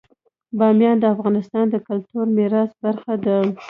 بامیان د افغانستان د کلتوري میراث برخه ده.